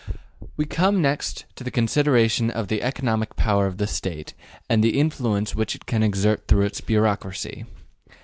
We come next to the consideration of the economic power of the State and the influence which it can exert through its bureaucracy.